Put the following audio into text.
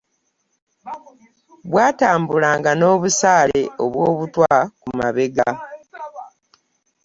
Bwatambulanga n’obusaale obw’obutwa ku mabega.